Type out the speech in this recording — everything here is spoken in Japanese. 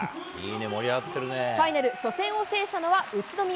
ファイナル初戦を制したのは、宇都宮。